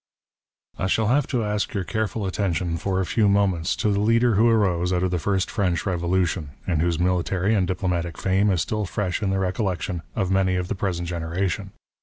I shall have to ask your careful attention for a few moments to the leader who arose out of the first French Revolution, and whose military and diplomatic fame is still fresh in the recollec tion of many of the present generation.